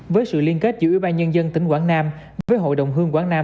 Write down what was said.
với sự liên kết giữa ủy ban nhân dân tỉnh quảng nam với hội đồng hương quảng nam